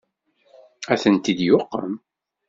Ad tent-id-yuqem?